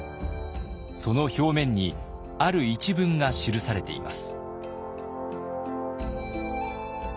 その表面にある一文が記されています。